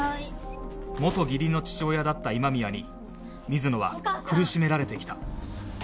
元義理の父親だった今宮に水野は苦しめられてきた